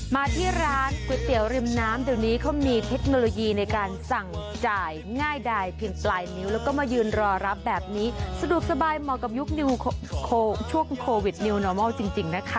มาที่ร้านก๋วยเตี๋ยวริมน้ำเดี๋ยวนี้เขามีเทคโนโลยีในการสั่งจ่ายง่ายดายเพียงปลายนิ้วแล้วก็มายืนรอรับแบบนี้สะดวกสบายเหมาะกับยุคนช่วงโควิดนิวนอร์มอลจริงนะคะ